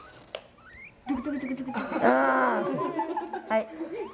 はい。